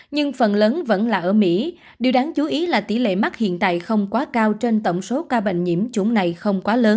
nhưng phần lớn vẫn là ở mỹ điều đáng chú ý là tỷ lệ mắc hiện tại không quá cao trên tổng số ca bệnh nhiễm chủng này không quá lớn